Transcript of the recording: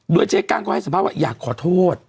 โดยเจ๊กั้งก็ให้สัมภาษณ์ว่าอยากขอโทษ